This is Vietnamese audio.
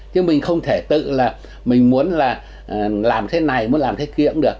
chứ mình không thể tự là mình muốn là làm thế này muốn làm thế kia cũng được